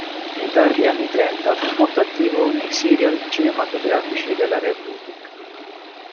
Nei tardi anni trenta, fu molto attivo nei serial cinematografici della Republic.